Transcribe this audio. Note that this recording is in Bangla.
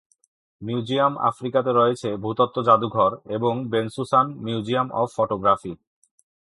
মিউজিয়াম আফ্রিকাতে রয়েছে ভূতত্ত্ব জাদুঘর এবং বেনসুসান মিউজিয়াম অফ ফটোগ্রাফি।